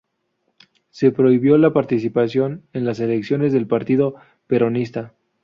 Se prohibió la participación en las elecciones del Partido Peronista.